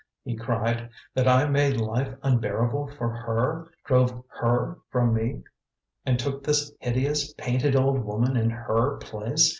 he cried. "That I made life unbearable for HER, drove HER from me, and took this hideous, painted old woman in HER place?